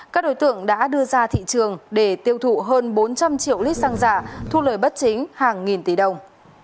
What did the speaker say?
các đối tượng đã đưa ra thị trường để tiêu thụ hơn bốn trăm linh triệu lít xăng giả thu lời bất chính hàng nghìn tỷ đồng